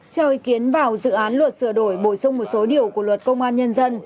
cho ý kiến vào dự án luật sửa đổi bổ sung một số điều của luật công an nhân dân